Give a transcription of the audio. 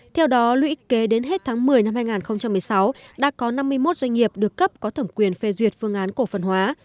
theo đó lũy kế đến hết tháng một mươi năm hai nghìn một mươi sáu đã có năm mươi một doanh nghiệp được cấp có thẩm quyền phê duyệt phương án cổ phần hóa